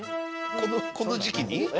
この時期に？